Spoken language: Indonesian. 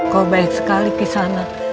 kau baik sekali kisanak